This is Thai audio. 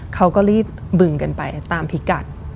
เขาก็รีบบึงกันไปตามพิกัด